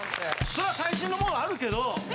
そりゃ最新のものあるけど。